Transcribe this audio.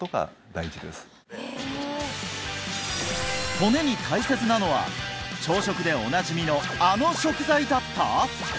骨に大切なのは朝食でおなじみのあの食材だった！？